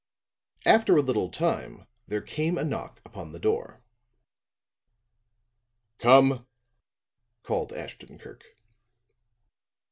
After a little time there came a knock upon the door. "Come," called Ashton Kirk.